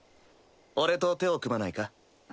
俺と手を組まないか？